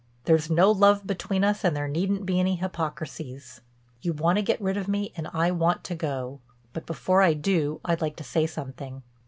There's no love between us and there needn't be any hypocrisies. You want to get rid of me and I want to go. But before I do, I'd like to say something."